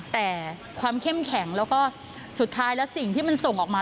แต่ความเข้มแข็งแล้วก็สุดท้ายแล้วสิ่งที่มันส่งออกมา